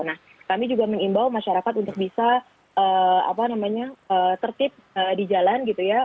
nah kami juga mengimbau masyarakat untuk bisa tertib di jalan gitu ya